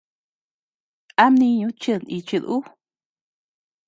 ¿A mniñu chid nichid ú?